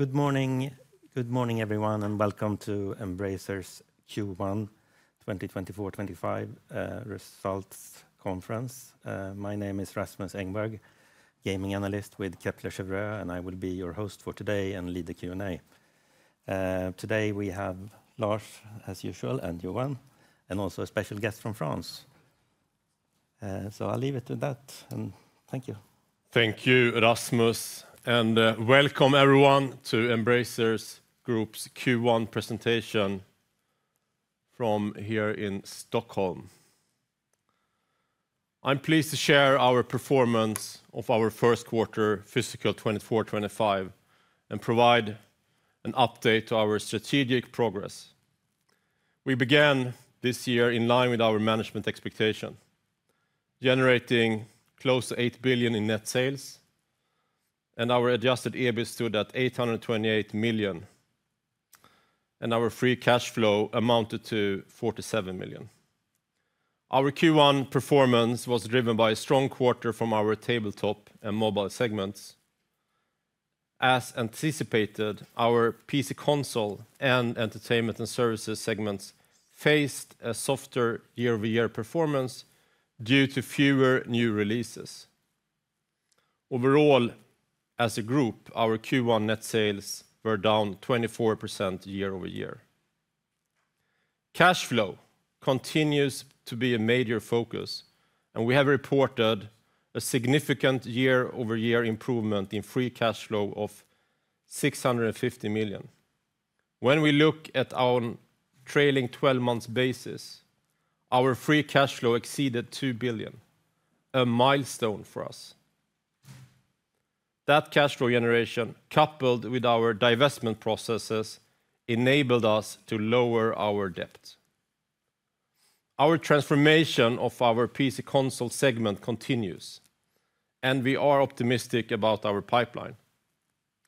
Good morning. Good morning, everyone, and welcome to Embracer's Q1 2024, 2025 results conference. My name is Rasmus Engberg, gaming analyst with Kepler Cheuvreux, and I will be your host for today and lead the Q&A. Today we have Lars as usual and Johan and also a special guest from France, so I'll leave it with that, and thank you. Thank you, Rasmus, and welcome everyone to Embracer Group's Q1 presentation from here in Stockholm. I'm pleased to share our performance of our first quarter, fiscal 2024, 2025, and provide an update to our strategic progress. We began this year in line with our management expectation, generating close to 8 billion in net sales, and our adjusted EBIT stood at 828 million, and our free cash flow amounted to 47 million. Our Q1 performance was driven by a strong quarter from our tabletop and mobile segments. As anticipated, our PC/Console and entertainment and services segments faced a softer year-over-year performance due to fewer new releases. Overall, as a group, our Q1 net sales were down 24% year-over-year. Cash flow continues to be a major focus, and we have reported a significant year-over-year improvement in free cash flow of 650 million. When we look at our trailing twelve months basis, our free cash flow exceeded 2 billion, a milestone for us. That cash flow generation, coupled with our divestment processes, enabled us to lower our debt. Our transformation of our PC/Console segment continues, and we are optimistic about our pipeline.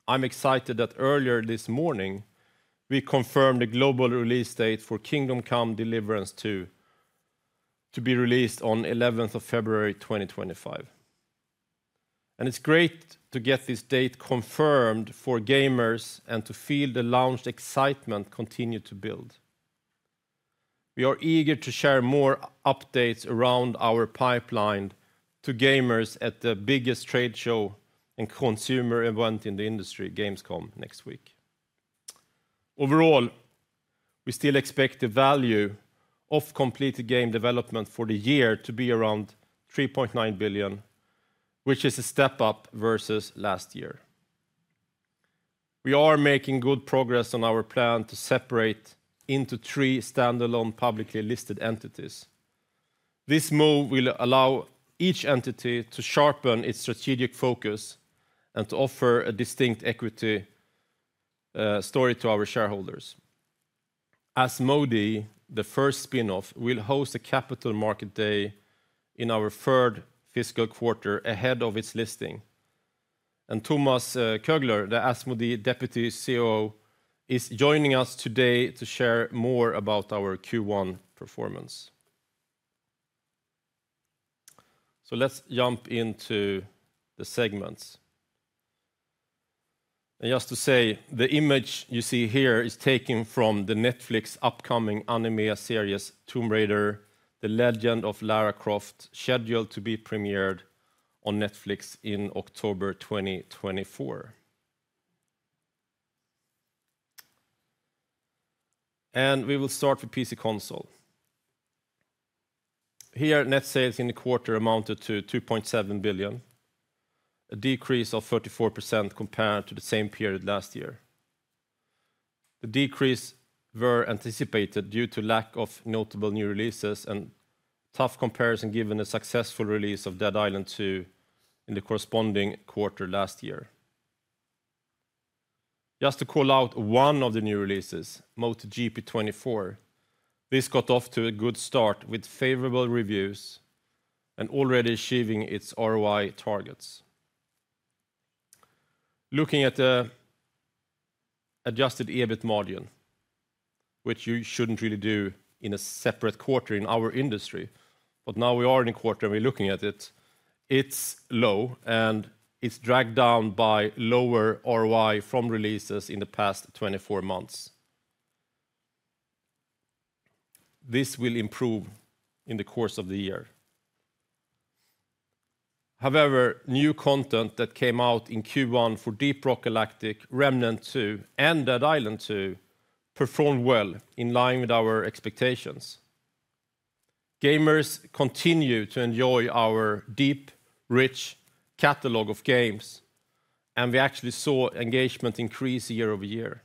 I'm excited that earlier this morning, we confirmed the global release date for Kingdom Come: Deliverance II to be released on 11th of February 2025. And it's great to get this date confirmed for gamers and to feel the launch excitement continue to build. We are eager to share more updates around our pipeline to gamers at the biggest trade show and consumer event in the industry, Gamescom, next week. Overall, we still expect the value of completed game development for the year to be around 3.9 billion, which is a step up versus last year. We are making good progress on our plan to separate into three standalone, publicly listed entities. This move will allow each entity to sharpen its strategic focus and to offer a distinct equity story to our shareholders. Asmodee, the first spinoff, will host a capital market day in our third fiscal quarter ahead of its listing, and Thomas Kœgler, the Asmodee Deputy CEO, is joining us today to share more about our Q1 performance. Let's jump into the segments. Just to say, the image you see here is taken from the Netflix upcoming anime series, Tomb Raider: The Legend of Lara Croft, scheduled to be premiered on Netflix in October 2024. We will start with PC/Console. Here, net sales in the quarter amounted to 2.7 billion, a decrease of 34% compared to the same period last year. The decrease were anticipated due to lack of notable new releases and tough comparison, given the successful release of Dead Island 2 in the corresponding quarter last year. Just to call out one of the new releases, MotoGP 24, this got off to a good start with favorable reviews and already achieving its ROI targets. Looking at the Adjusted EBIT Margin, which you shouldn't really do in a separate quarter in our industry, but now we are in a quarter, and we're looking at it, it's low, and it's dragged down by lower ROI from releases in the past 24 months. This will improve in the course of the year. However, new content that came out in Q1 for Deep Rock Galactic, Remnant II, and Dead Island 2 performed well in line with our expectations. Gamers continue to enjoy our deep, rich catalog of games, and we actually saw engagement increase year-over-year.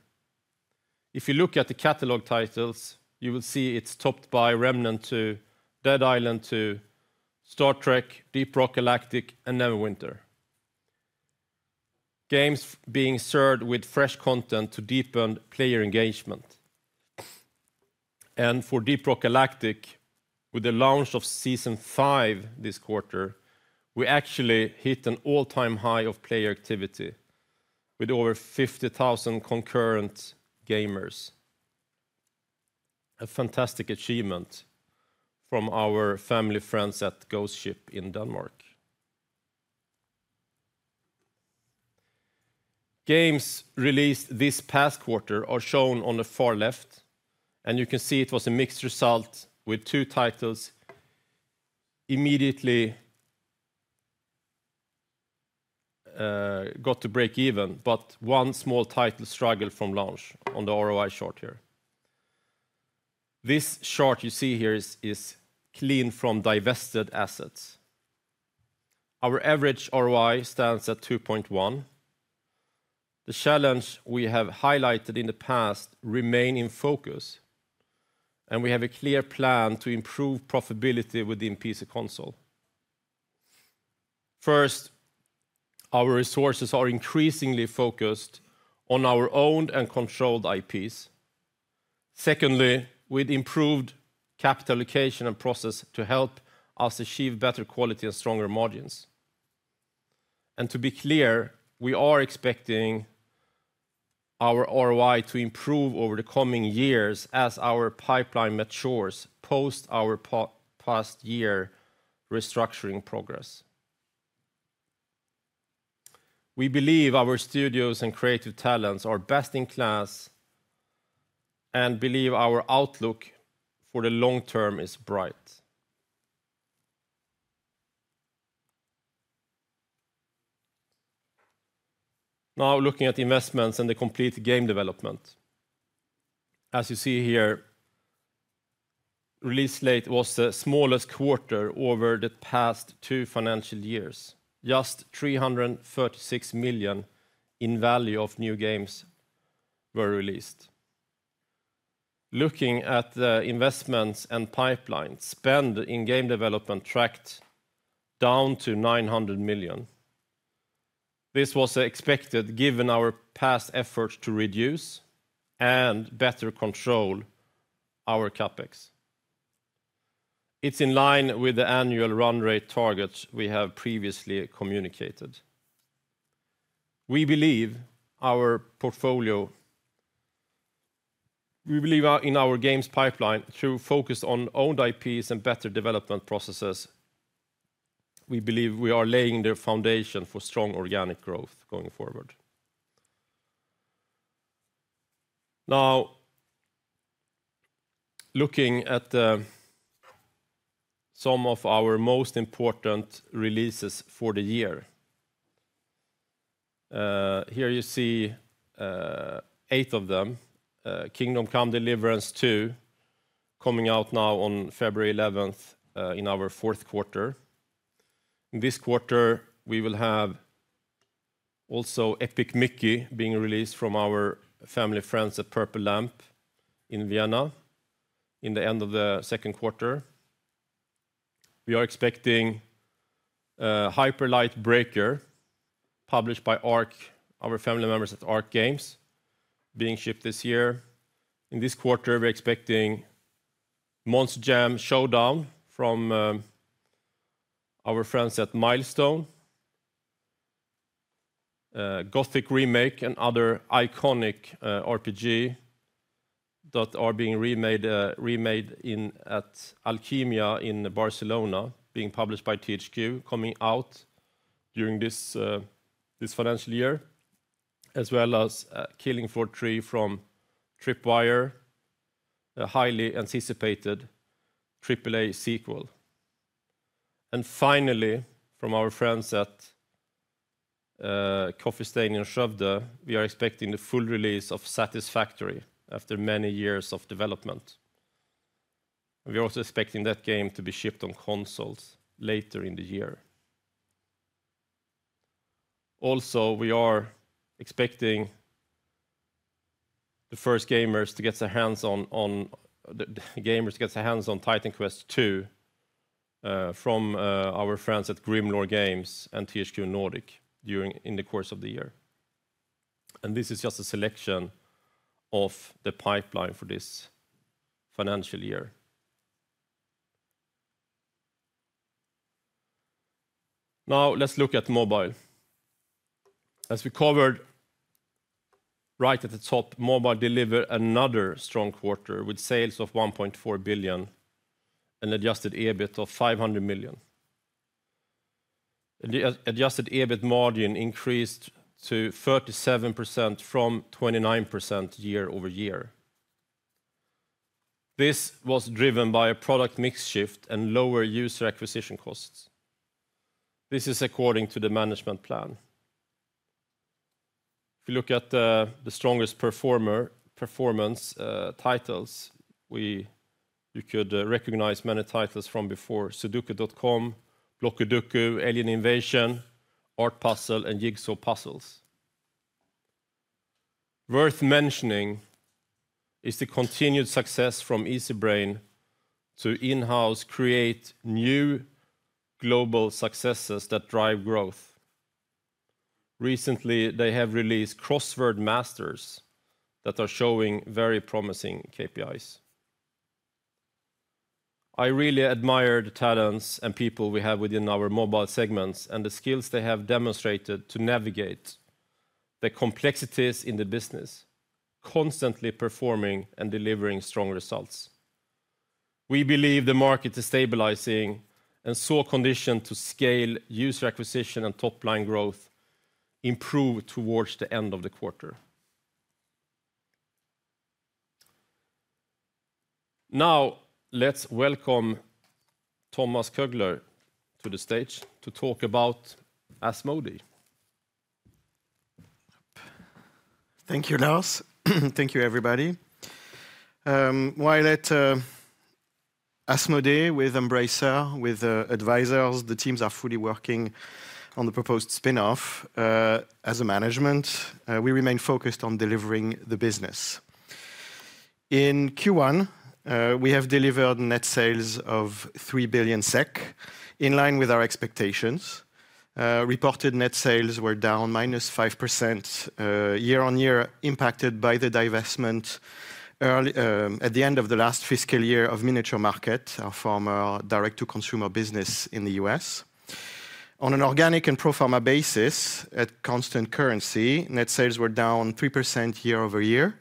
If you look at the catalog titles, you will see it's topped by Remnant II, Dead Island 2, Star Trek, Deep Rock Galactic, and Neverwinter. Games being served with fresh content to deepen player engagement. And for Deep Rock Galactic, with the launch of Season 5 this quarter, we actually hit an all-time high of player activity with over 50,000 concurrent gamers. A fantastic achievement from our family friends at Ghost Ship in Denmark. Games released this past quarter are shown on the far left, and you can see it was a mixed result with two titles immediately got to break even, but one small title struggled from launch on the ROI chart here. This chart you see here is clean from divested assets. Our average ROI stands at 2.1. The challenge we have highlighted in the past remain in focus, and we have a clear plan to improve profitability within PC/Console. First, our resources are increasingly focused on our owned and controlled IPs. Secondly, with improved capital allocation and process to help us achieve better quality and stronger margins. And to be clear, we are expecting our ROI to improve over the coming years as our pipeline matures post our past year restructuring progress. We believe our studios and creative talents are best in class and believe our outlook for the long term is bright. Now, looking at the investments and the complete game development. As you see here, release slate was the smallest quarter over the past two financial years. Just 336 million in value of new games were released. Looking at the investments and pipeline, spend in game development tracked down to 900 million. This was expected, given our past efforts to reduce and better control our CapEx. It's in line with the annual run rate targets we have previously communicated. We believe our portfolio. We believe our, in our games pipeline, through focus on owned IPs and better development processes, we believe we are laying the foundation for strong organic growth going forward. Now, looking at some of our most important releases for the year, here you see eight of them. Kingdom Come: Deliverance II, coming out now on February eleventh in our fourth quarter. In this quarter, we will have also Epic Mickey being released from our family friends at Purple Lamp in Vienna, in the end of the second quarter. We are expecting Hyper Light Breaker, published by Arc, our family members at Arc Games, being shipped this year. In this quarter, we're expecting Monster Jam Showdown from our friends at Milestone. Gothic Remake, another iconic RPG that is being remade at Alkimia in Barcelona, being published by THQ, coming out during this financial year, as well as Killing Floor 3 from Tripwire, a highly anticipated AAA sequel. And finally, from our friends at Coffee Stain in Skövde, we are expecting the full release of Satisfactory after many years of development. We are also expecting that game to be shipped on consoles later in the year. Also, we are expecting the first gamers to get their hands on Titan Quest II from our friends at Grimlore Games and THQ Nordic, in the course of the year. And this is just a selection of the pipeline for this financial year. Now, let's look at mobile. As we covered right at the top, mobile delivered another strong quarter with sales of 1.4 billion and adjusted EBIT of 500 million. Adjusted EBIT margin increased to 37% from 29% year-over-year. This was driven by a product mix shift and lower user acquisition costs. This is according to the management plan. If you look at the strongest performing titles, you could recognize many titles from before: Sudoku.com, Blockudoku, Alien Invasion, Art Puzzle, and Jigsaw Puzzles. Worth mentioning is the continued success from Easybrain to in-house create new global successes that drive growth. Recently, they have released Crossword Masters that are showing very promising KPIs. I really admire the talents and people we have within our mobile segments and the skills they have demonstrated to navigate the complexities in the business, constantly performing and delivering strong results. We believe the market is stabilizing and saw condition to scale user acquisition and top-line growth improve towards the end of the quarter. Now, let's welcome Thomas Kœgler to the stage to talk about Asmodee. Thank you, Lars. Thank you, everybody. While at Asmodee, with Embracer, with advisors, the teams are fully working on the proposed spin-off, as a management, we remain focused on delivering the business. In Q1, we have delivered net sales of 3 billion SEK, in line with our expectations. Reported net sales were down -5%, year-over-year, impacted by the divestment at the end of the last fiscal year of Miniature Market, from our direct-to-consumer business in the U.S. On an organic and pro forma basis, at constant currency, net sales were down 3% year-over-year.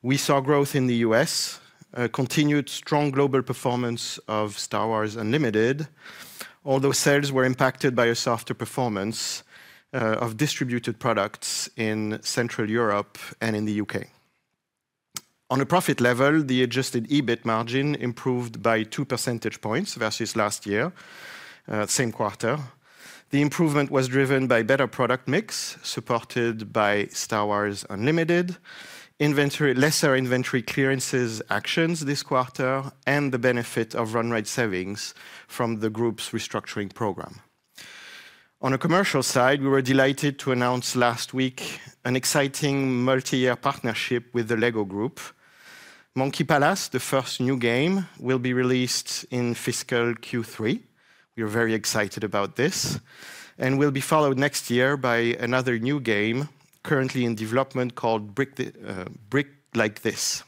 We saw growth in the U.S., a continued strong global performance of Star Wars: Unlimited, although sales were impacted by a softer performance of distributed products in Central Europe and in the U.K. On a profit level, the adjusted EBIT margin improved by two percentage points versus last year, same quarter. The improvement was driven by better product mix, supported by Star Wars: Unlimited, lesser inventory clearance actions this quarter, and the benefit of run rate savings from the group's restructuring program. On a commercial side, we were delighted to announce last week an exciting multi-year partnership with the LEGO Group. Monkey Palace, the first new game, will be released in fiscal Q3. We are very excited about this, and will be followed next year by another new game currently in development called Brick Like This!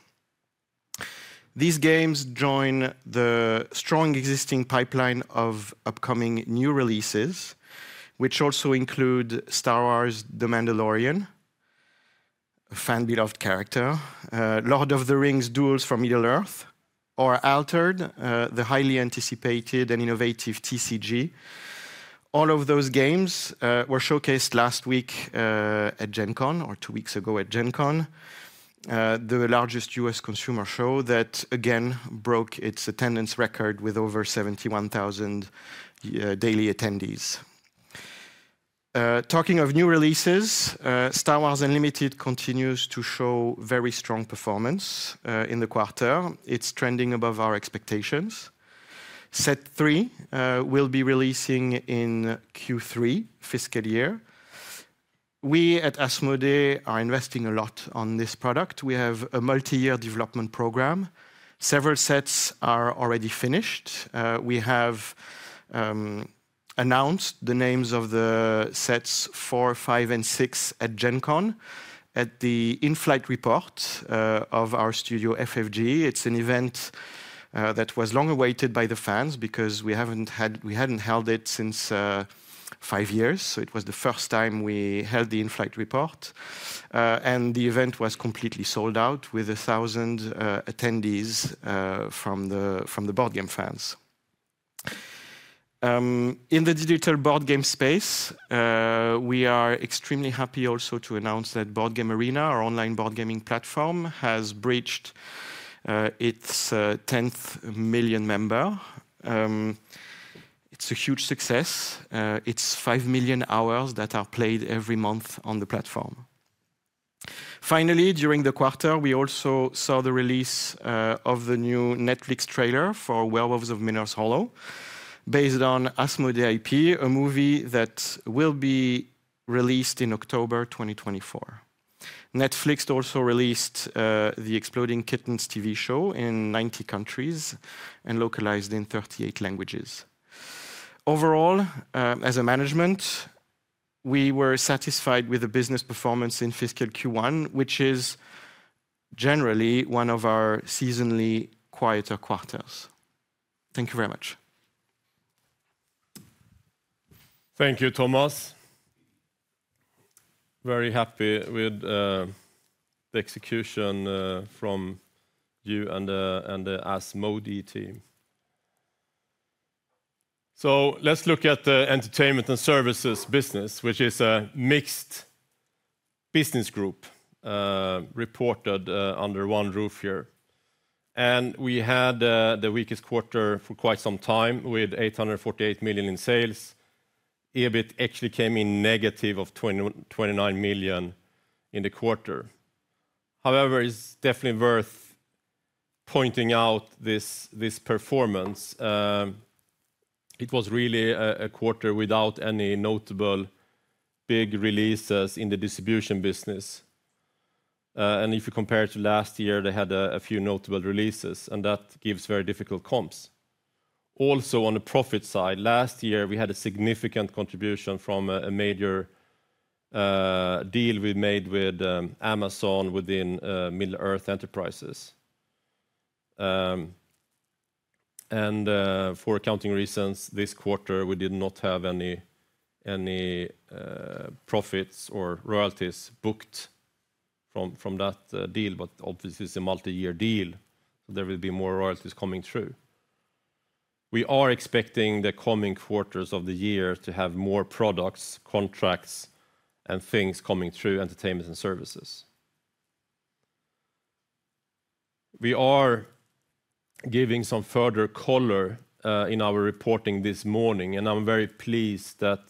These games join the strong existing pipeline of upcoming new releases, which also include Star Wars: The Mandalorian, a fan-beloved character, Lord of the Rings: Duel for Middle-earth, or Altered, the highly anticipated and innovative TCG. All of those games were showcased last week at Gen Con, or two weeks ago at Gen Con, the largest U.S. consumer show that again broke its attendance record with over 71,000 daily attendees. Talking of new releases, Star Wars: Unlimited continues to show very strong performance in the quarter. It's trending above our expectations. Set 3 will be releasing in Q3 fiscal year. We at Asmodee are investing a lot on this product. We have a multi-year development program. Several sets are already finished. We have announced the names of the sets 4, 5, and 6 at Gen Con, at the In-Flight Report of our studio, FFG. It's an event that was long awaited by the fans because we hadn't held it since five years, so it was the first time we held the In-Flight Report. The event was completely sold out with 1,000 attendees from the board game fans. In the digital board game space, we are extremely happy also to announce that Board Game Arena, our online board gaming platform, has breached its 10 million members. It's a huge success. It's 5 million hours that are played every month on the platform. Finally, during the quarter, we also saw the release of the new Netflix trailer for Werewolves of Miller's Hollow, based on Asmodee IP, a movie that will be released in October 2024. Netflix also released, the Exploding Kittens TV show in 90 countries and localized in 38 languages. Overall, as a management, we were satisfied with the business performance in fiscal Q1, which is generally one of our seasonally quieter quarters. Thank you very much. Thank you, Thomas. Very happy with the execution from you and the Asmodee team. So let's look at the entertainment and services business, which is a mixed business group reported under one roof here. We had the weakest quarter for quite some time, with 848 million in sales. EBIT actually came in negative of 29 million in the quarter. However, it's definitely worth pointing out this performance. It was really a quarter without any notable big releases in the distribution business. And if you compare it to last year, they had a few notable releases, and that gives very difficult comps. Also, on the profit side, last year, we had a significant contribution from a major deal we made with Amazon within Middle-earth Enterprises. For accounting reasons, this quarter, we did not have any profits or royalties booked from that deal, but obviously, it's a multi-year deal, there will be more royalties coming through. We are expecting the coming quarters of the year to have more products, contracts, and things coming through entertainment and services. We are giving some further color in our reporting this morning, and I'm very pleased that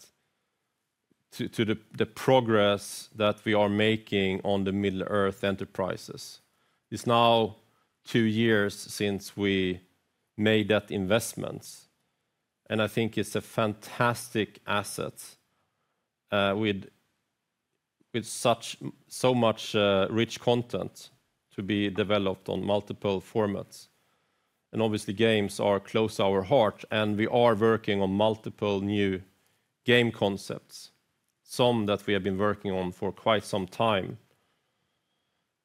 to the progress that we are making on the Middle-earth Enterprises. It's now two years since we made that investment, and I think it's a fantastic asset, with so much rich content to be developed on multiple formats. Obviously, games are close to our heart, and we are working on multiple new game concepts, some that we have been working on for quite some time,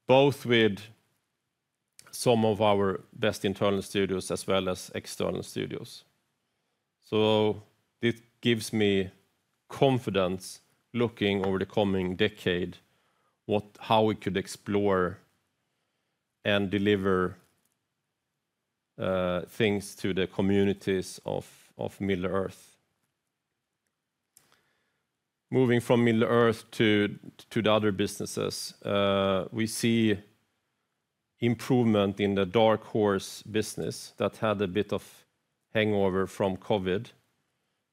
both with some of our best internal studios as well as external studios. This gives me confidence looking over the coming decade, how we could explore and deliver things to the communities of Middle-earth. Moving from Middle-earth to the other businesses, we see improvement in the Dark Horse business that had a bit of hangover from COVID.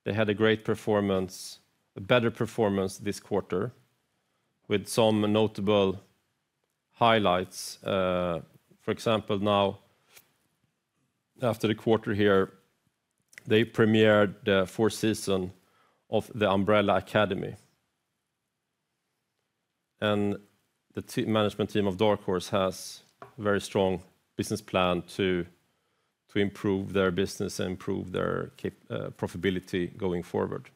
They had a great performance, a better performance this quarter, with some notable highlights. For example, now, after the quarter here, they premiered the fourth season of The Umbrella Academy. The management team of Dark Horse has a very strong business plan to improve their business and improve their profitability going forward.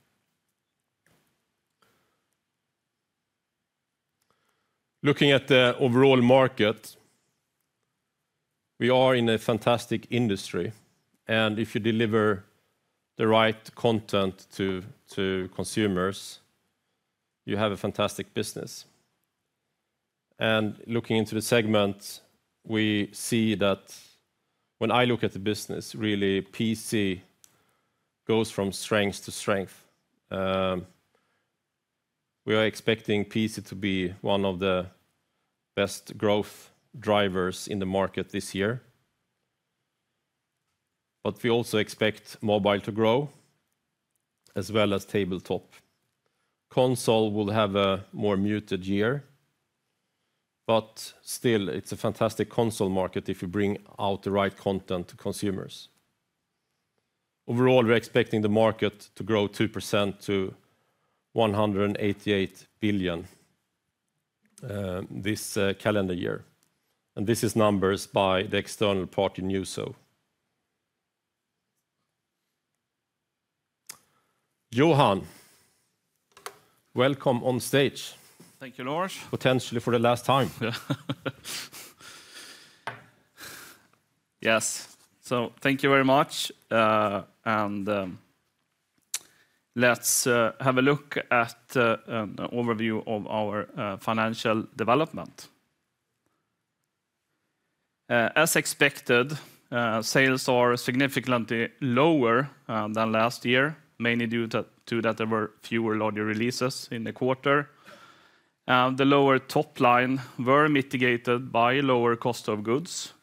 Looking at the overall market, we are in a fantastic industry, and if you deliver the right content to consumers, you have a fantastic business. Looking into the segment, we see that when I look at the business, really, PC goes from strength to strength. We are expecting PC to be one of the best growth drivers in the market this year. But we also expect mobile to grow, as well as tabletop. Console will have a more muted year, but still, it's a fantastic console market if you bring out the right content to consumers. Overall, we're expecting the market to grow 2% to $188 billion this calendar year, and this is numbers by the external party, Newzoo. Johan, welcome on stage. Thank you, Lars. Potentially for the last time. Yes. So thank you very much. And, let's have a look at an overview of our financial development. As expected, sales are significantly lower than last year, mainly due to that there were fewer larger releases in the quarter. The lower top line were mitigated by lower cost of goods,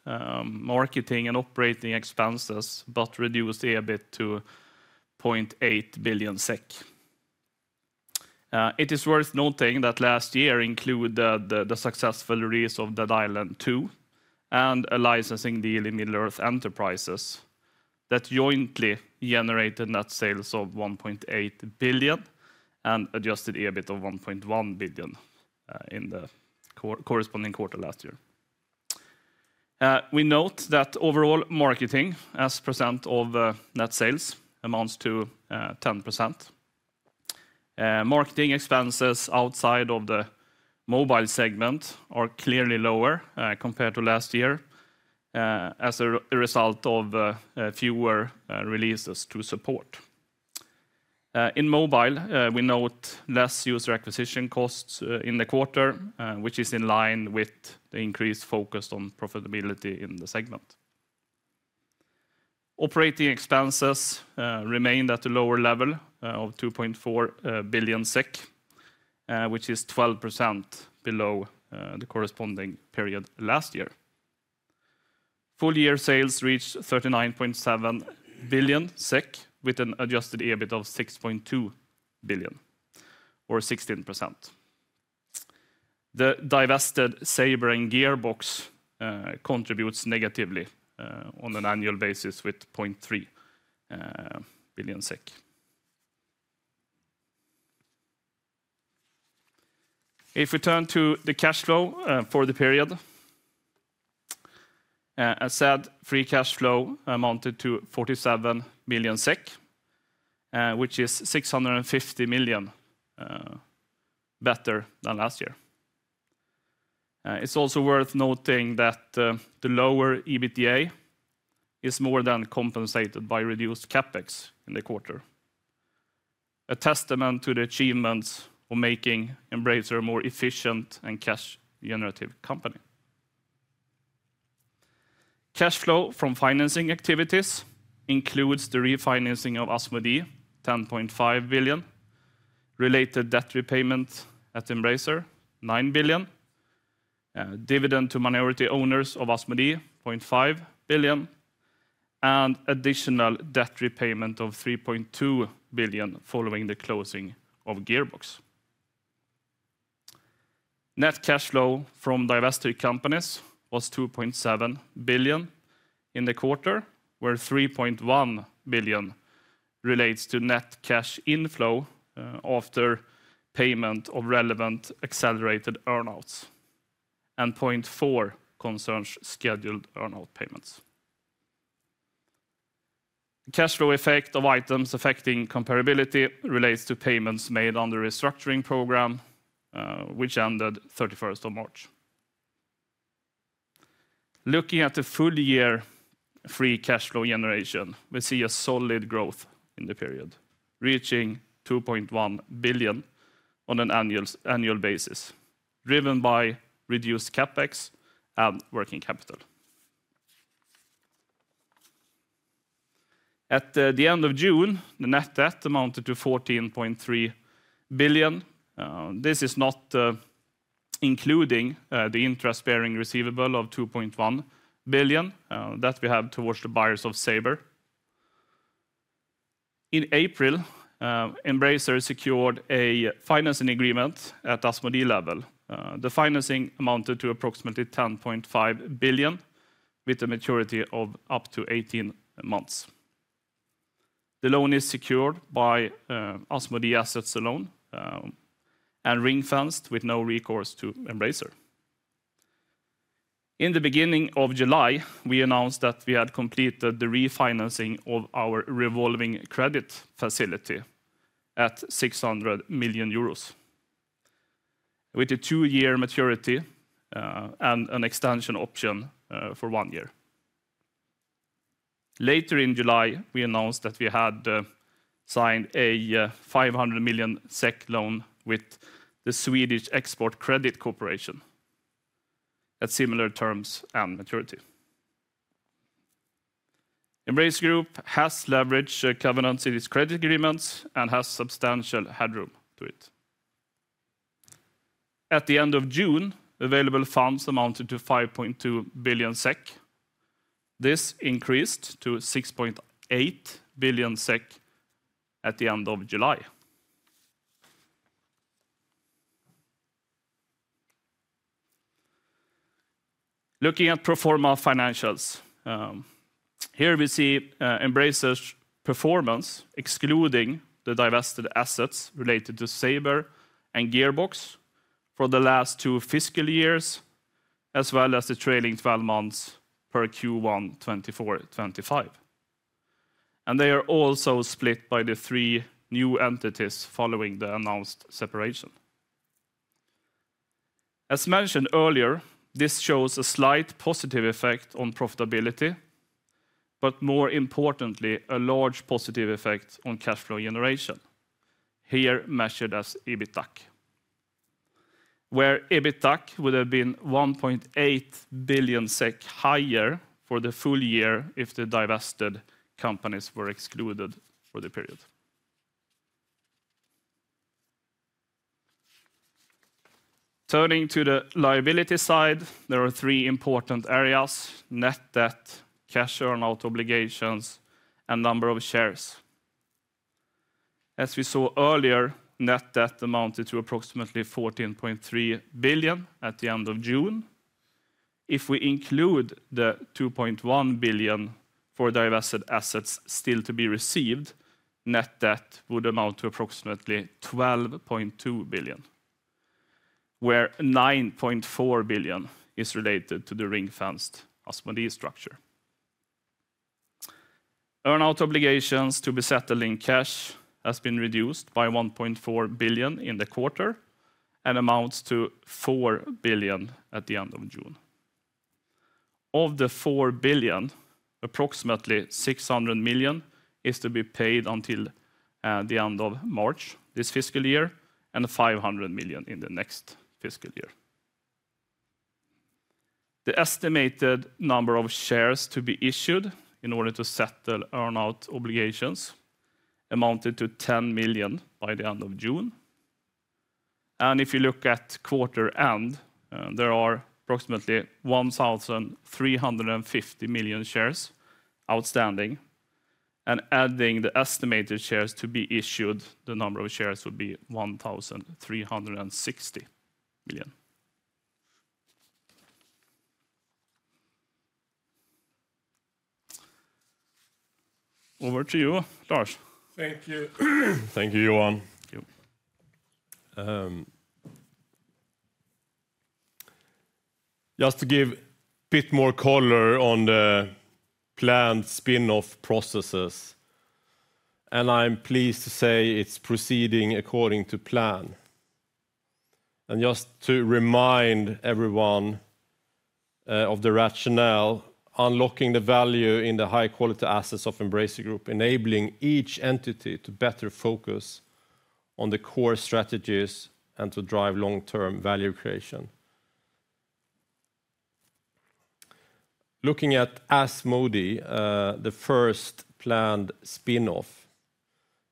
marketing and operating expenses, but reduced EBIT to 0.8 billion SEK. It is worth noting that last year included the successful release of Dead Island 2 and a licensing deal in Middle-earth Enterprises that jointly generated net sales of 1.8 billion and adjusted EBIT of 1.1 billion in the corresponding quarter last year. We note that overall marketing, as percent of net sales, amounts to 10%. Marketing expenses outside of the mobile segment are clearly lower, compared to last year, as a result of fewer releases to support. In mobile, we note less user acquisition costs in the quarter, which is in line with the increased focus on profitability in the segment. Operating expenses remained at a lower level of 2.4 billion SEK, which is 12% below the corresponding period last year. Full-year sales reached 39.7 billion SEK, with an adjusted EBIT of 6.2 billion or 16%. The divested Saber and Gearbox contributes negatively on an annual basis with 0.3 billion SEK. If we turn to the cash flow for the period-... As said, free cash flow amounted to 47 million SEK, which is 650 million better than last year. It's also worth noting that the lower EBITDA is more than compensated by reduced CapEx in the quarter. A testament to the achievements of making Embracer a more efficient and cash generative company. Cash flow from financing activities includes the refinancing of Asmodee, 10.5 billion, related debt repayment at Embracer, 9 billion, dividend to minority owners of Asmodee, 0.5 billion, and additional debt repayment of 3.2 billion following the closing of Gearbox. Net cash flow from divested companies was 2.7 billion in the quarter, where 3.1 billion relates to net cash inflow after payment of relevant accelerated earn-outs, and 0.4 billion concerns scheduled earn-out payments. The cash flow effect of items affecting comparability relates to payments made on the restructuring program, which ended 31st of March. Looking at the full year free cash flow generation, we see a solid growth in the period, reaching 2.1 billion on an annual basis, driven by reduced CapEx and working capital. At the end of June, the net debt amounted to 14.3 billion. This is not including the interest bearing receivable of 2.1 billion that we have towards the buyers of Saber. In April, Embracer secured a financing agreement at Asmodee level. The financing amounted to approximately 10.5 billion, with a maturity of up to 18 months. The loan is secured by Asmodee assets alone, and ring-fenced with no recourse to Embracer. In the beginning of July, we announced that we had completed the refinancing of our revolving credit facility at 600 million euros, with a two-year maturity, and an extension option, for one year. Later in July, we announced that we had signed a 500 million SEK loan with the Swedish Export Credit Corporation at similar terms and maturity. Embracer Group has leverage covenants in its credit agreements and has substantial headroom to it. At the end of June, available funds amounted to 5.2 billion SEK. This increased to 6.8 billion SEK at the end of July. Looking at pro forma financials, here we see Embracer's performance, excluding the divested assets related to Saber and Gearbox for the last two fiscal years, as well as the trailing 12 months per Q1 2024, 2025. They are also split by the three new entities following the announced separation. As mentioned earlier, this shows a slight positive effect on profitability, but more importantly, a large positive effect on cash flow generation, here measured as EBITDAC. Where EBITDAC would have been 1.8 billion SEK higher for the full year if the divested companies were excluded for the period. Turning to the liability side, there are three important areas: net debt, cash earn-out obligations, and number of shares. As we saw earlier, net debt amounted to approximately 14.3 billion at the end of June. If we include the 2.1 billion for divested assets still to be received, net debt would amount to approximately 12.2 billion, where 9.4 billion is related to the ring-fenced Asmodee structure. Earn-out obligations to be settled in cash has been reduced by 1.4 billion in the quarter and amounts to 4 billion at the end of June. Of the 4 billion, approximately 600 million is to be paid until the end of March this fiscal year, and 500 million in the next fiscal year. The estimated number of shares to be issued in order to settle earn-out obligations amounted to 10 million by the end of June. If you look at quarter end, there are approximately 1,350 million shares outstanding, and adding the estimated shares to be issued, the number of shares would be 1,360 million.... Over to you, Lars. Thank you. Thank you, Johan. Yep. Just to give a bit more color on the planned spin-off processes, and I'm pleased to say it's proceeding according to plan. Just to remind everyone of the rationale, unlocking the value in the high-quality assets of Embracer Group, enabling each entity to better focus on the core strategies and to drive long-term value creation. Looking at Asmodee, the first planned spin-off,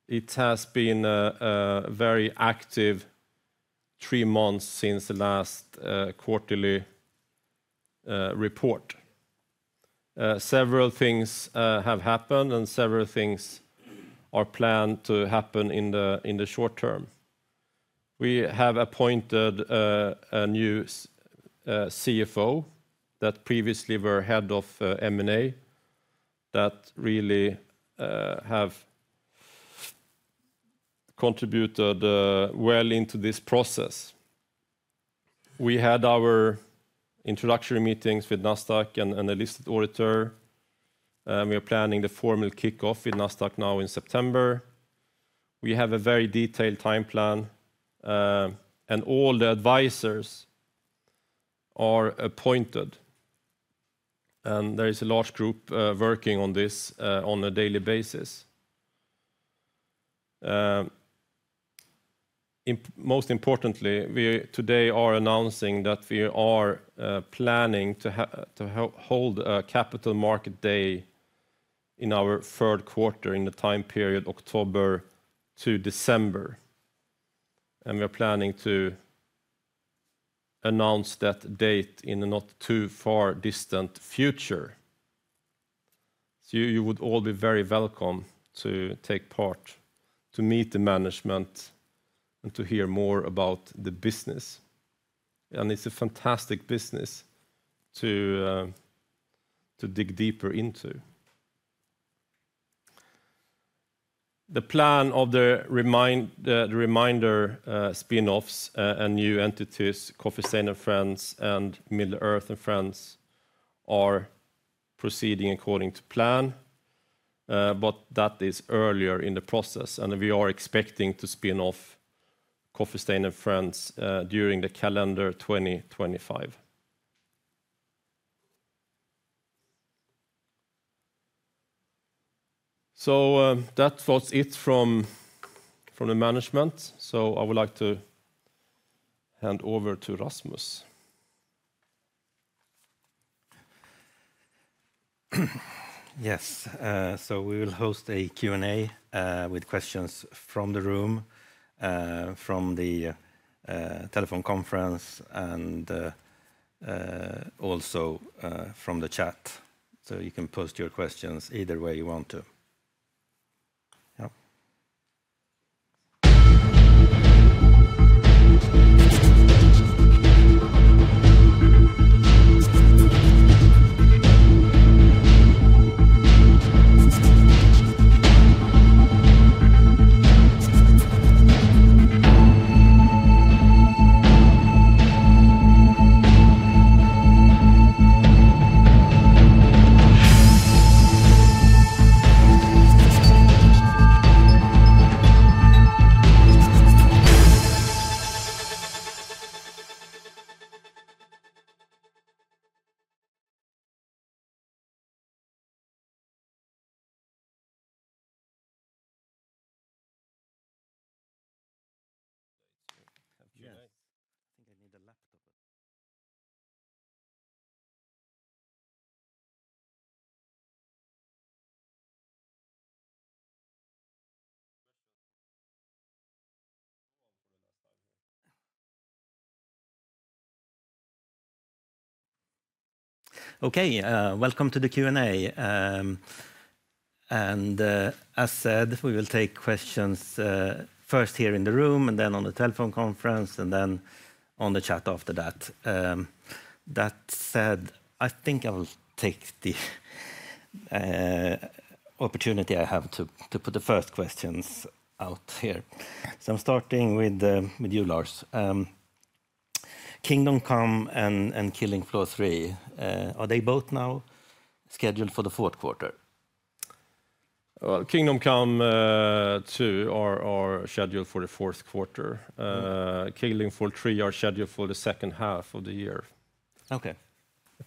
it has been a very active three months since the last quarterly report. Several things have happened, and several things are planned to happen in the short term. We have appointed a new CFO that previously were head of M&A, that really have contributed well into this process. We had our introductory meetings with Nasdaq and the listed auditor, and we are planning the formal kickoff with Nasdaq now in September. We have a very detailed time plan, and all the advisors are appointed, and there is a large group working on this on a daily basis. Most importantly, we today are announcing that we are planning to hold a capital market day in our third quarter, in the time period October to December, and we are planning to announce that date in the not too far distant future. So you would all be very welcome to take part, to meet the management, and to hear more about the business, and it's a fantastic business to dig deeper into. The plan of the remaining spin-offs and new entities, Coffee Stain & Friends and Middle-earth & Friends, are proceeding according to plan, but that is earlier in the process, and we are expecting to spin off Coffee Stain & Friends during the calendar 2025. So, that was it from the management, so I would like to hand over to Rasmus. Yes, so we will host a Q&A with questions from the room, from the telephone conference, and also from the chat. So you can post your questions either way you want to. Yeah. Okay, welcome to the Q&A. And, as said, we will take questions first here in the room, and then on the telephone conference, and then on the chat after that. That said, I think I will take the opportunity I have to put the first questions out here. So I'm starting with you, Lars. Kingdom Come and Killing Floor 3, are they both now scheduled for the fourth quarter? Well, Kingdom Come II are scheduled for the fourth quarter. Killing Floor 3 are scheduled for the second half of the year. Okay.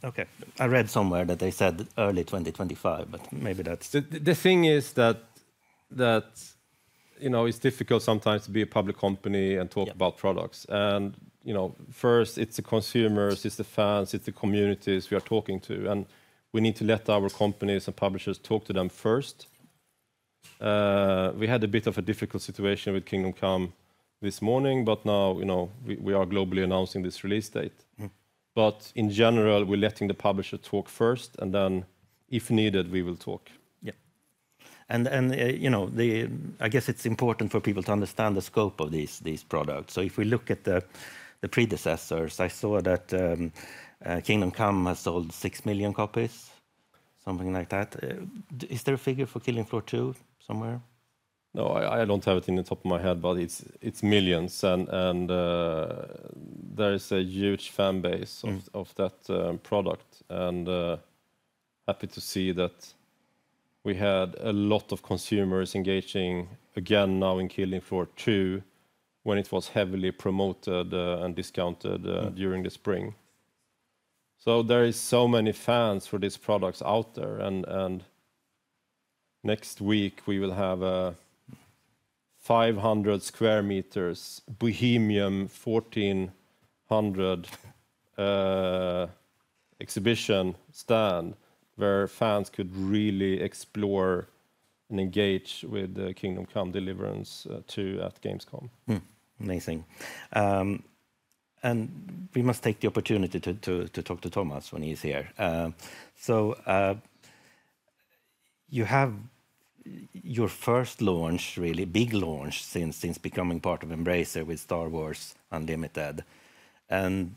Okay, I read somewhere that they said early 2025, but maybe that's- The thing is that, you know, it's difficult sometimes to be a public company and talk- Yeah... about products. You know, first, it's the consumers, it's the fans, it's the communities we are talking to, and we need to let our companies and publishers talk to them first. We had a bit of a difficult situation with Kingdom Come this morning, but now, you know, we are globally announcing this release date. Mm. In general, we're letting the publisher talk first, and then, if needed, we will talk. Yeah. You know, I guess it's important for people to understand the scope of these products. So if we look at the predecessors, I saw that Kingdom Come has sold 6 million copies, something like that. Is there a figure for Killing Floor 2 somewhere?... No, I don't have it off the top of my head, but it's millions, and there is a huge fan base- Mm... of that product. And happy to see that we had a lot of consumers engaging again now in Killing Floor 2 when it was heavily promoted and discounted during the spring. So there is so many fans for these products out there, and next week we will have a 500 sq m Bohemian 1400 exhibition stand, where fans could really explore and engage with the Kingdom Come: Deliverance II at Gamescom. Amazing. We must take the opportunity to talk to Thomas when he's here. So, you have your first really big launch since becoming part of Embracer with Star Wars: Unlimited. And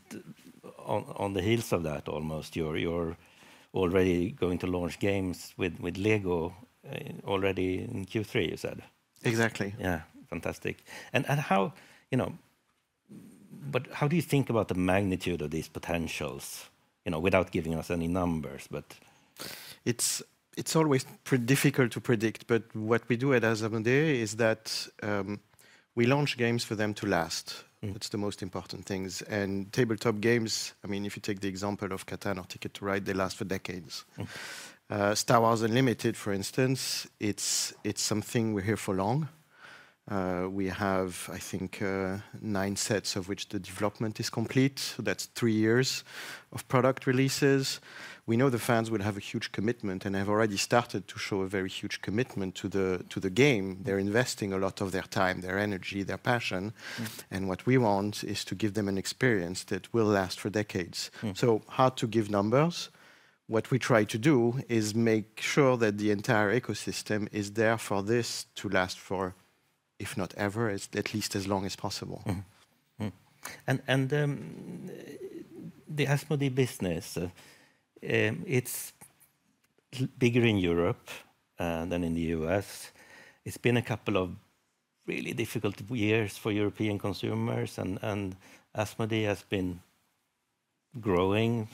on the heels of that, almost, you're already going to launch games with Lego already in Q3, you said? Exactly. Yeah. Fantastic. And how, you know... But how do you think about the magnitude of these potentials, you know, without giving us any numbers, but? It's always difficult to predict, but what we do at Asmodee is that we launch games for them to last. Mm. It's the most important things, and tabletop games, I mean, if you take the example of Catan or Ticket to Ride, they last for decades. Mm. Star Wars: Unlimited, for instance, it's something we're here for long. We have, I think, nine sets of which the development is complete, so that's three years of product releases. We know the fans will have a huge commitment, and have already started to show a very huge commitment to the game. They're investing a lot of their time, their energy, their passion. Mm. What we want is to give them an experience that will last for decades. Mm. So hard to give numbers. What we try to do is make sure that the entire ecosystem is there for this to last for, if not ever, at least as long as possible. And the Asmodee business, it's bigger in Europe than in the U.S. It's been a couple of really difficult years for European consumers, and Asmodee has been growing.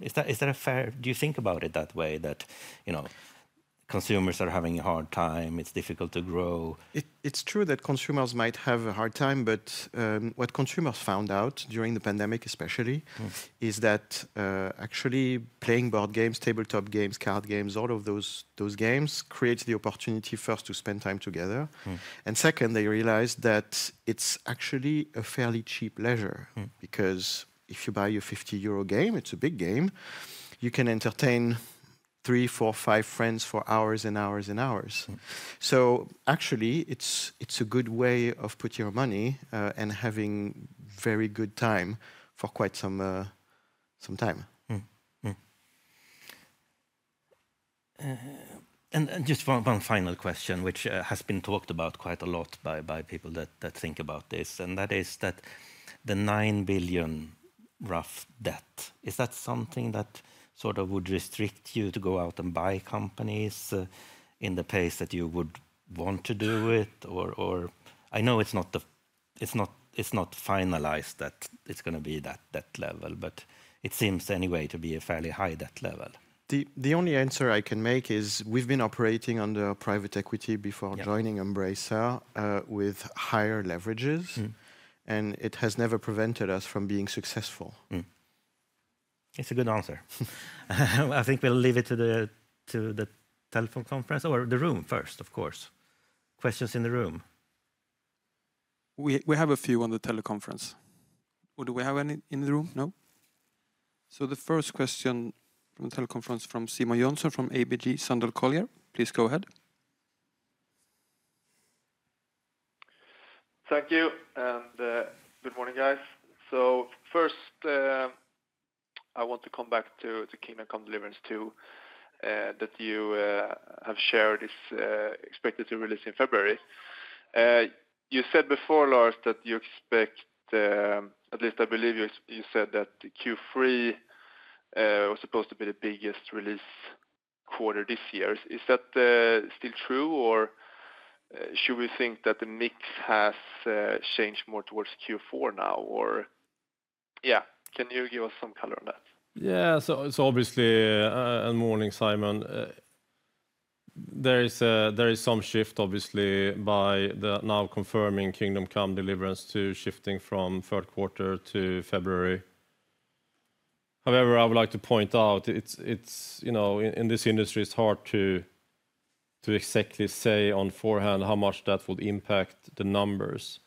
Is that a fair— Do you think about it that way, that, you know, consumers are having a hard time, it's difficult to grow? It's true that consumers might have a hard time, but what consumers found out during the pandemic, especially- Mm... is that, actually, playing board games, tabletop games, card games, all of those, those games, creates the opportunity first to spend time together. Mm. Second, they realize that it's actually a fairly cheap leisure. Mm. Because if you buy a 50 euro game, it's a big game, you can entertain three, four, five friends for hours and hours and hours. Mm. So actually, it's a good way of put your money and having very good time for quite some time. And just one final question, which has been talked about quite a lot by people that think about this, and that is that the 9 billion debt—is that something that sort of would restrict you to go out and buy companies in the pace that you would want to do it? Or, I know it's not finalized, that it's gonna be that level, but it seems anyway to be a fairly high debt level. The only answer I can make is we've been operating under private equity before- Yeah... joining Embracer with higher leverages. Mm-hmm. It has never prevented us from being successful. It's a good answer. I think we'll leave it to the telephone conference or the room first, of course. Questions in the room? We have a few on the teleconference. Or do we have any in the room? No. So the first question from the teleconference, from Simon Jönsson, from ABG Sundal Collier, please go ahead. Thank you, and good morning, guys. So first, I want to come back to the Kingdom Come: Deliverance II that you have shared is expected to release in February. You said before, Lars, that you expect, at least I believe you, you said that Q3 was supposed to be the biggest release quarter this year. Is that still true, or should we think that the mix has changed more towards Q4 now? Or... Yeah, can you give us some color on that? Yeah, so it's obviously a good morning, Simon. There is some shift, obviously, by now confirming Kingdom Come: Deliverance II, shifting from third quarter to February. However, I would like to point out, it's you know, in this industry, it's hard to exactly say beforehand how much that would impact the numbers.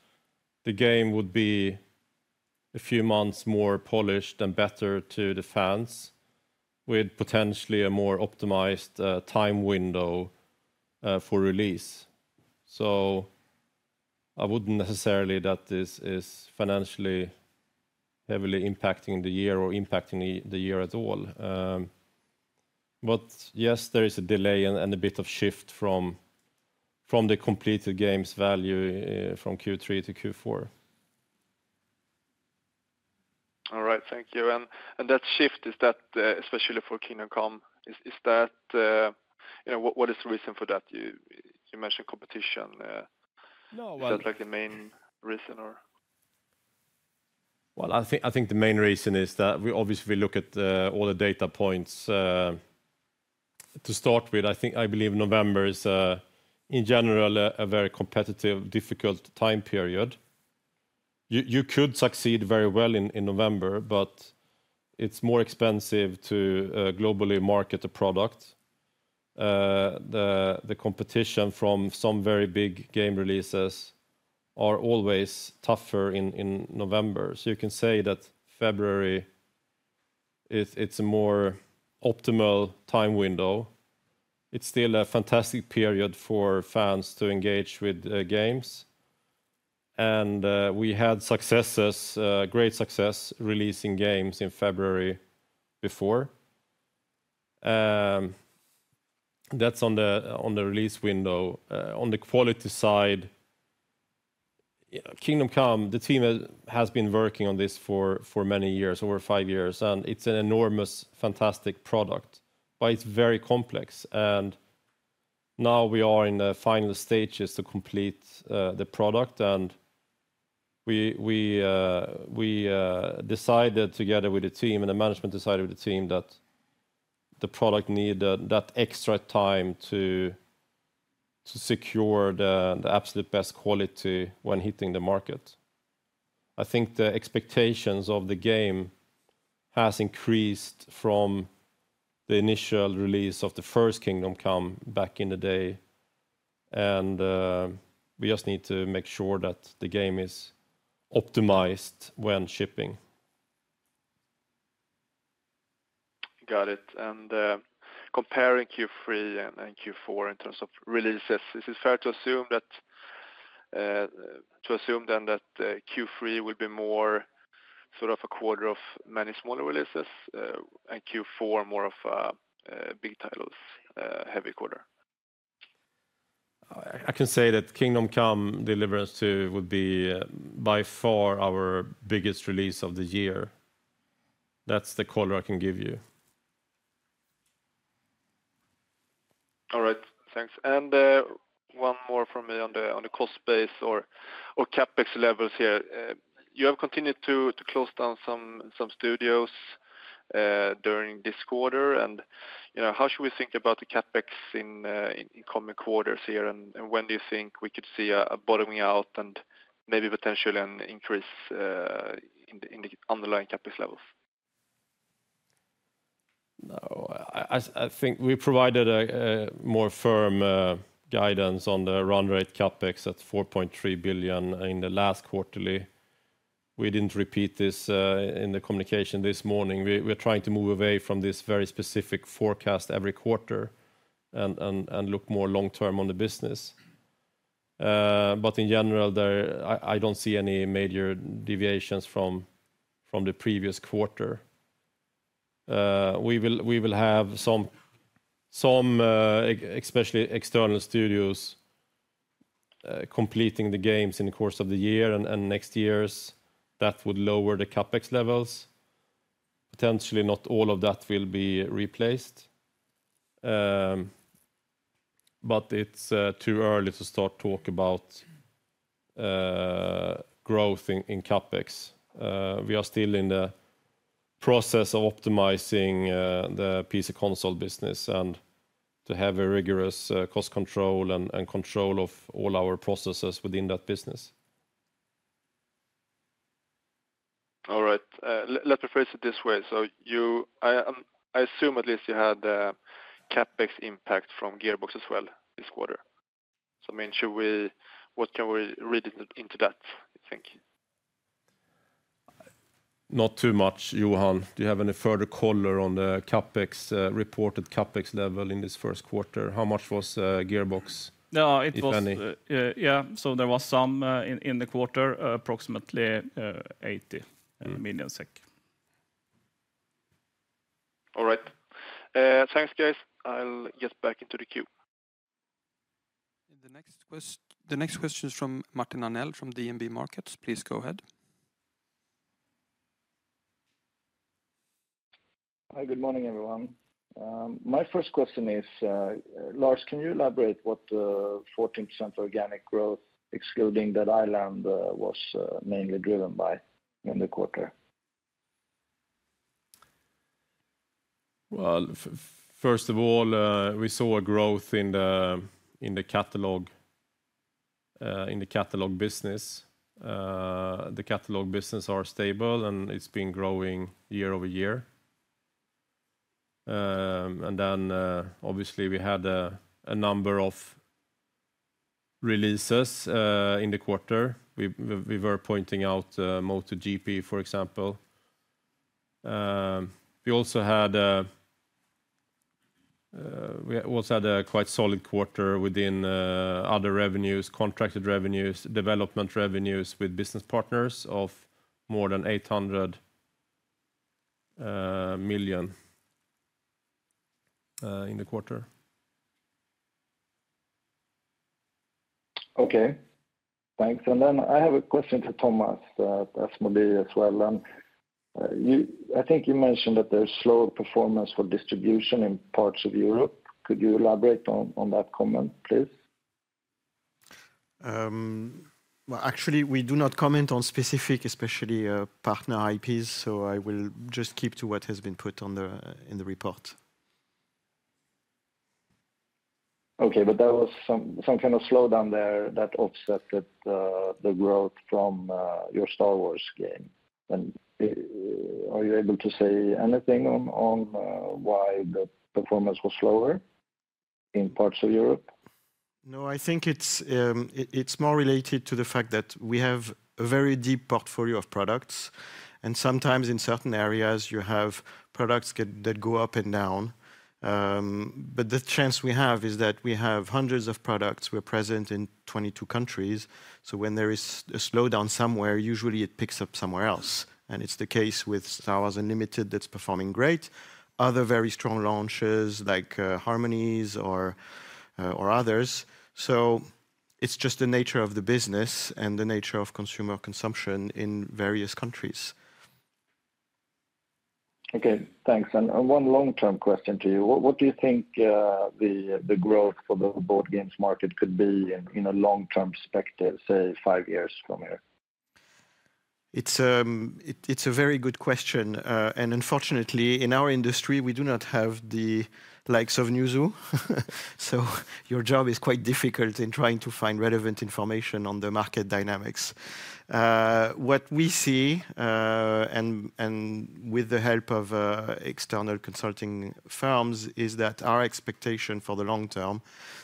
The game would be a few months more polished and better to the fans, with potentially a more optimized time window for release. So I wouldn't necessarily say that this is financially heavily impacting the year or impacting the year at all. But yes, there is a delay and a bit of shift from the completed game's value from Q3 to Q4.... All right, thank you. And that shift, is that especially for Kingdom Come? Is that you know what is the reason for that? You mentioned competition. No, well- Is that like the main reason or? Well, I think the main reason is that we obviously look at all the data points to start with. I believe November is in general a very competitive, difficult time period. You could succeed very well in November, but it's more expensive to globally market a product. The competition from some very big game releases is always tougher in November. So you can say that February, it's a more optimal time window. It's still a fantastic period for fans to engage with games. And we had successes, great success releasing games in February before. That's on the release window. On the quality side, Kingdom Come, the team has been working on this for many years, over five years, and it's an enormous, fantastic product, but it's very complex. Now we are in the final stages to complete the product, and we decided together with the team, and the management decided with the team that the product needs that extra time to secure the absolute best quality when hitting the market. I think the expectations of the game have increased from the initial release of the first Kingdom Come back in the day, and we just need to make sure that the game is optimized when shipping. Got it. And, comparing Q3 and Q4 in terms of releases, is it fair to assume then that Q3 will be more sort of a quarter of many smaller releases, and Q4 more of big titles, heavy quarter? I can say that Kingdom Come: Deliverance II would be by far our biggest release of the year. That's the color I can give you. All right, thanks. And, one more from me on the cost base or CapEx levels here. You have continued to close down some studios during this quarter, and, you know, how should we think about the CapEx in coming quarters here? And, when do you think we could see a bottoming out and maybe potentially an increase in the underlying CapEx levels? No, I think we provided a more firm guidance on the run rate CapEx at 4.3 billion in the last quarterly. We didn't repeat this in the communication this morning. We're trying to move away from this very specific forecast every quarter and look more long term on the business. But in general, I don't see any major deviations from the previous quarter. We will have some, especially external studios, completing the games in the course of the year and next years, that would lower the CapEx levels. Potentially, not all of that will be replaced, but it's too early to start talk about growth in CapEx. We are still in the process of optimizing the PC/Console business and to have a rigorous cost control and control of all our processes within that business. All right. Let me phrase it this way: so you—I assume at least you had a CapEx impact from Gearbox as well this quarter. So, I mean, should we—what can we read into that, you think? Not too much, Johan. Do you have any further color on the CapEx, reported CapEx level in this first quarter? How much was, Gearbox, if any? Yeah, it was, yeah, so there was some, in the quarter, approximately 80, Mm. Millionen SEK. All right. Thanks, guys. I'll get back into the queue. The next question is from Martin Arnell from DNB Markets. Please go ahead. Hi, good morning, everyone. My first question is, Lars, can you elaborate what 14% organic growth, excluding that island, was mainly driven by in the quarter? Well, first of all, we saw a growth in the, in the catalog, in the catalog business. The catalog business are stable, and it's been growing year-over-year. And then, obviously, we had a number of releases in the quarter. We were pointing out MotoGP, for example. We also had a quite solid quarter within other revenues, contracted revenues, development revenues with business partners of more than 800 million in the quarter. Okay, thanks. Then I have a question to Thomas, Asmodee as well. You—I think you mentioned that there's slower performance for distribution in parts of Europe. Could you elaborate on that comment, please? Well, actually, we do not comment on specific, especially, partner IPs, so I will just keep to what has been put on the, in the report. Okay, but there was some kind of slowdown there that offset the growth from your Star Wars game. And are you able to say anything on why the performance was slower in parts of Europe? No, I think it's more related to the fact that we have a very deep portfolio of products, and sometimes in certain areas, you have products that go up and down. But the chance we have is that we have hundreds of products. We're present in 22 countries, so when there is a slowdown somewhere, usually it picks up somewhere else. And it's the case with Star Wars: Unlimited, that's performing great. Other very strong launches like Harmonies or others. So it's just the nature of the business and the nature of consumer consumption in various countries. Okay, thanks. And one long-term question to you: What do you think the growth for the board games market could be in a long-term perspective, say, five years from here? It's a very good question. And unfortunately, in our industry, we do not have the likes of Newzoo. So your job is quite difficult in trying to find relevant information on the market dynamics. What we see, and with the help of external consulting firms, is that our expectation for the long term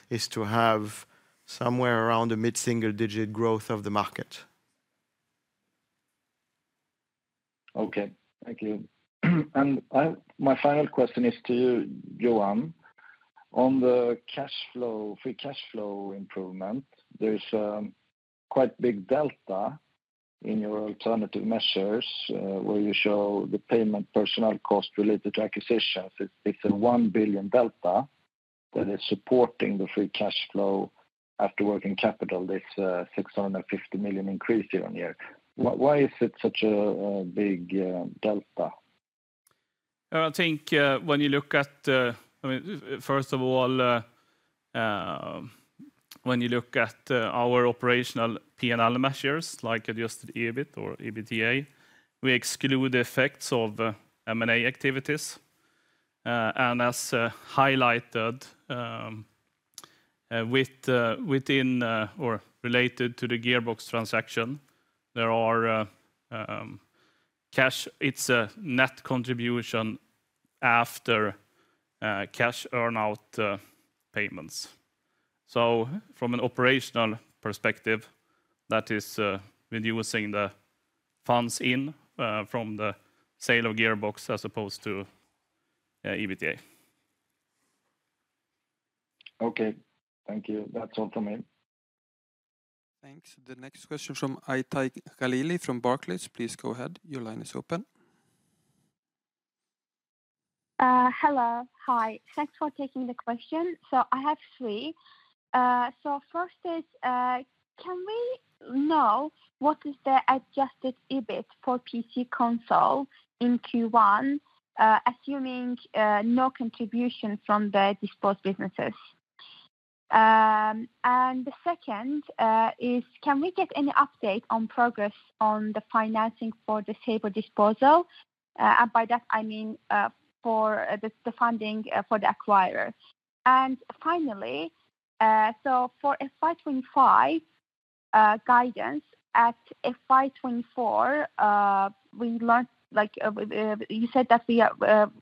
is to have somewhere around a mid-single-digit growth of the market. Okay, thank you. And my final question is to you, Johan. On the cash flow, free cash flow improvement, there's a quite big delta in your alternative measures, where you show the payment personnel cost related to acquisitions. It's a 1 billion delta that is supporting the free cash flow after working capital, this 650 million increase year-on-year. Why is it such a big delta? I think, when you look at, I mean, first of all, when you look at our operational P&L measures, like adjusted EBIT or EBITDA, we exclude the effects of M&A activities. And as highlighted within or related to the Gearbox transaction, there are cash— It's a net contribution after cash earn-out payments. So from an operational perspective, that is when you are seeing the funds in from the sale of Gearbox as opposed to EBITDA. Okay, thank you. That's all from me. Thanks. The next question from Aytaj Khalilli from Barclays. Please go ahead. Your line is open. Hello. Hi, thanks for taking the question. So I have three. So first is, can we know what is the adjusted EBIT for PC/Console in Q1, assuming no contribution from the disposed businesses? And the second is can we get any update on progress on the financing for the Saber disposal? And by that I mean, for the funding for the acquirers. And finally, so for FY 2025 guidance at FY 2024, we learned like... You said that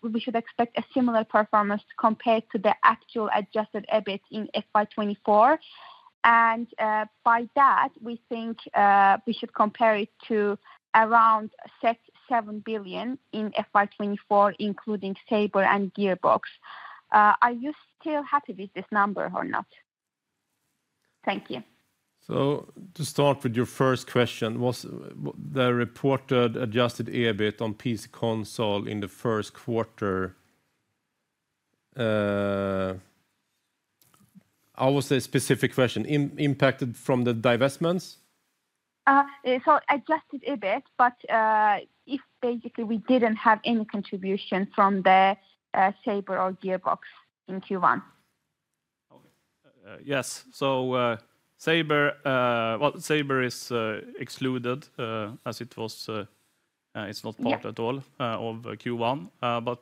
we should expect a similar performance compared to the actual adjusted EBIT in FY 2024. And by that, we think we should compare it to around 6 billion-7 billion in FY 2024, including Saber and Gearbox. Are you still happy with this number or not? Thank you. So to start with your first question, was the reported Adjusted EBIT on PC/Console in the first quarter, how was the specific question, impacted from the divestments? So Adjusted EBIT, but if basically we didn't have any contribution from the Saber or Gearbox in Q1. Okay. Yes. So, Saber, well, Saber is- Yeah... it's not part at all of Q1. But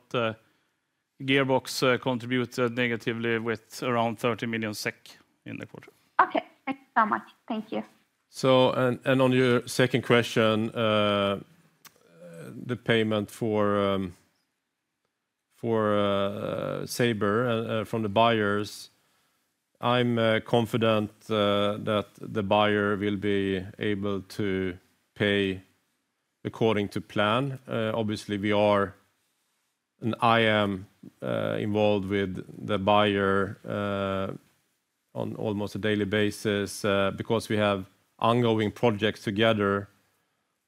Gearbox contributes negatively with around 30 million SEK in the quarter. Okay, thank you so much. Thank you. So, on your second question, the payment for Saber from the buyers, I'm confident that the buyer will be able to pay according to plan. Obviously, we are, and I am, involved with the buyer on almost a daily basis, because we have ongoing projects together,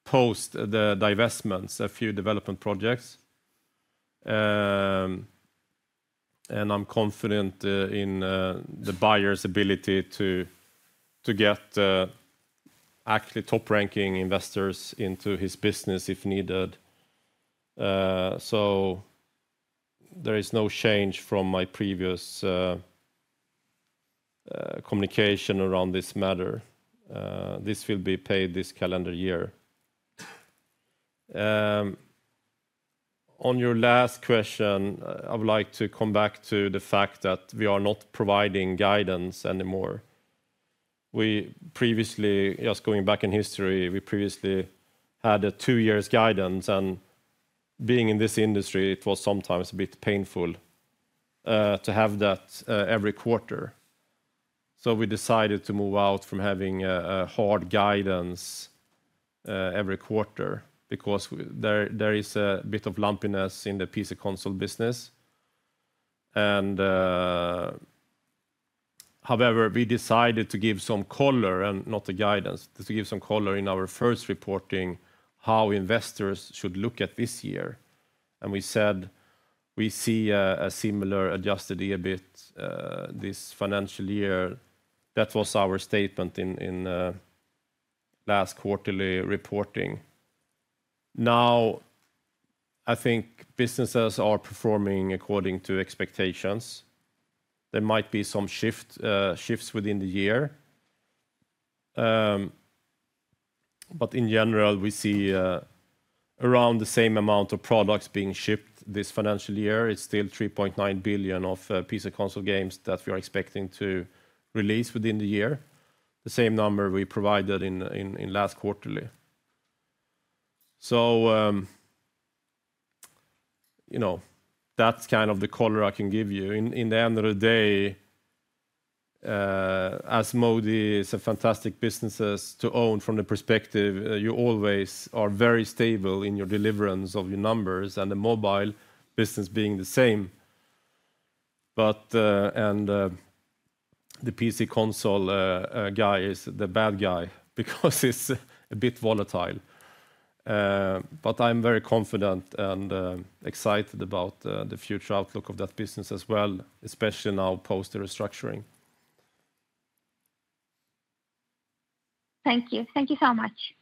post the divestments, a few development projects. And I'm confident in the buyer's ability to get actually top-ranking investors into his business, if needed. So there is no change from my previous communication around this matter. This will be paid this calendar year. On your last question, I would like to come back to the fact that we are not providing guidance anymore. We previously, just going back in history, we previously had a two years guidance, and being in this industry, it was sometimes a bit painful to have that every quarter. So we decided to move out from having a hard guidance every quarter because there is a bit of lumpiness in the PC/Console business. However, we decided to give some color, and not a guidance, to give some color in our first reporting, how investors should look at this year, and we said we see a similar adjusted EBIT this financial year. That was our statement in last quarterly reporting. Now, I think businesses are performing according to expectations. There might be some shift, shifts within the year. But in general, we see around the same amount of products being shipped this financial year. It's still 3.9 billion of PC/Console games that we are expecting to release within the year, the same number we provided in last quarterly. You know, that's kind of the color I can give you. In the end of the day, Asmodee is a fantastic business to own from the perspective, you always are very stable in your delivery of your numbers and the mobile business being the same. But the PC/Console guy is the bad guy because it's a bit volatile. But I'm very confident and excited about the future outlook of that business as well, especially now post the restructuring. Thank you. Thank you so much.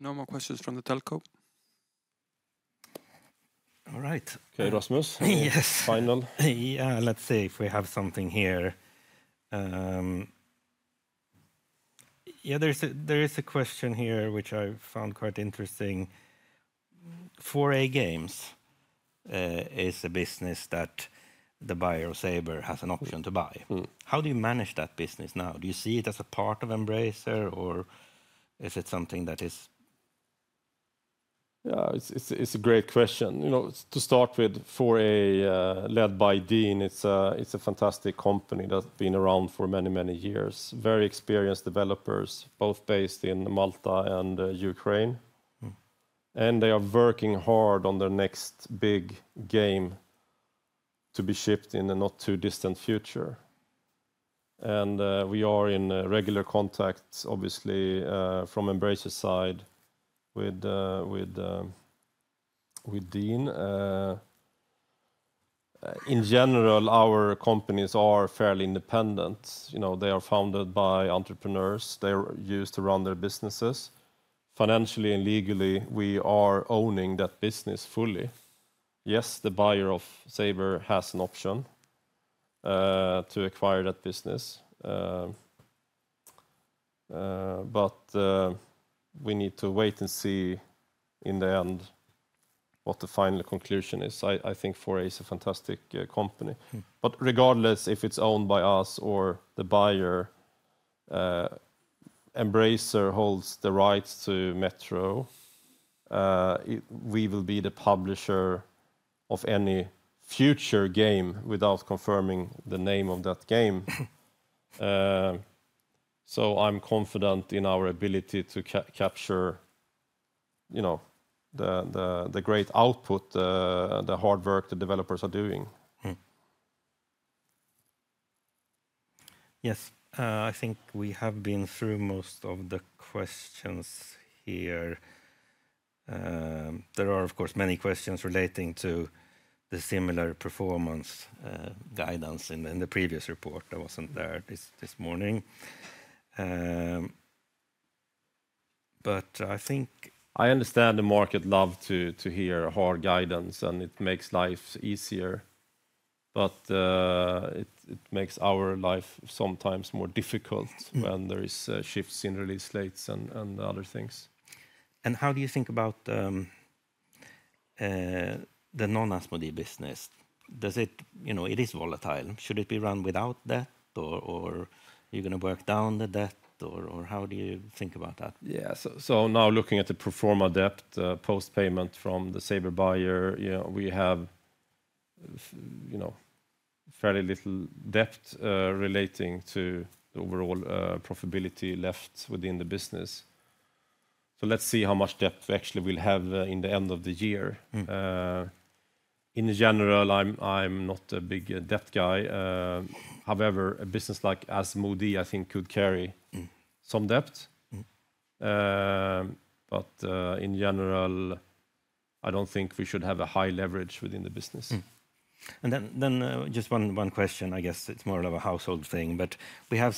No more questions from the telco. All right. Okay, Rasmus- Yes. Final. Yeah, let's see if we have something here. Yeah, there is a question here which I found quite interesting. 4A Games is a business that the buyer of Saber has an option to buy. Mm. How do you manage that business now? Do you see it as a part of Embracer, or is it something that is...? Yeah, it's a great question. You know, to start with, 4A, led by Dean, it's a fantastic company that's been around for many, many years. Very experienced developers, both based in Malta and Ukraine. Mm. They are working hard on their next big game to be shipped in the not-too-distant future. We are in regular contact, obviously, from Embracer side, with Dean. In general, our companies are fairly independent. You know, they are founded by entrepreneurs. They're used to run their businesses. Financially and legally, we are owning that business fully. Yes, the buyer of Saber has an option to acquire that business, but we need to wait and see in the end what the final conclusion is. I think 4A is a fantastic company. Mm. But regardless if it's owned by us or the buyer, Embracer holds the rights to Metro. We will be the publisher of any future game, without confirming the name of that game. So I'm confident in our ability to capture, you know, the great output, the hard work the developers are doing. Yes, I think we have been through most of the questions here. There are, of course, many questions relating to the similar performance guidance in the previous report. I wasn't there this morning. But I think. I understand the market love to hear hard guidance, and it makes life easier, but it makes our life sometimes more difficult. Mm... when there is shifts in release dates and other things. How do you think about the non-Asmodee business? Does it... You know, it is volatile. Should it be run without debt, or, or are you going to work down the debt, or, or how do you think about that? Yeah. So, so now looking at the pro forma debt, post-payment from the Saber buyer, you know, we have, you know, fairly little debt, relating to the overall, profitability left within the business. So let's see how much debt we actually will have, in the end of the year. Mm. In general, I'm, I'm not a big debt guy. However, a business like Asmodee, I think, could carry- Mm... some debt. Mm. But, in general, I don't think we should have a high leverage within the business. And then, just one question, I guess it's more of a household thing, but we have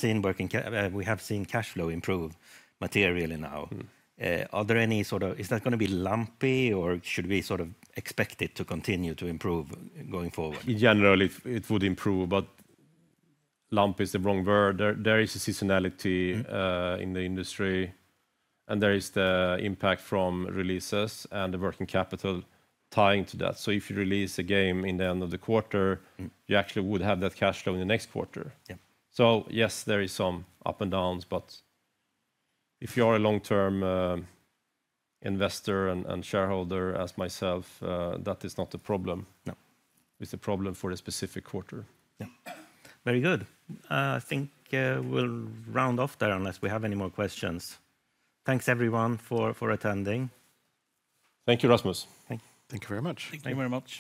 seen cash flow improve materially now. Mm. Is that going to be lumpy, or should we sort of expect it to continue to improve going forward? Generally, it would improve, but lumpy is the wrong word. There is a seasonality- Mm... in the industry, and there is the impact from releases and the working capital tying to that. So if you release a game in the end of the quarter- Mm... you actually would have that cash flow in the next quarter. Yeah. So yes, there is some ups and downs, but if you are a long-term investor and shareholder, as myself, that is not a problem. No. It's a problem for a specific quarter. Yeah. Very good. I think we'll round off there unless we have any more questions. Thanks, everyone, for, for attending. Thank you, Rasmus. Thank you. Thank you very much. Thank you. Thank you very much.